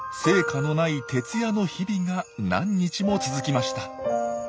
成果のない徹夜の日々が何日も続きました。